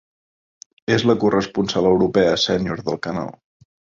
És la corresponsal europea sènior del canal.